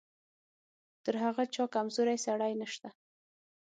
تر هغه چا کمزوری سړی نشته.